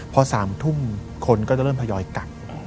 พอ๓ทุ่มคนก็จะเริ่มทยอยกัก